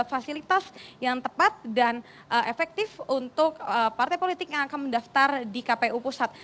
fasilitas yang tepat dan efektif untuk partai politik yang akan mendaftar di kpu pusat